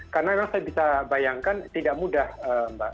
karena memang saya bisa bayangkan tidak mudah mbak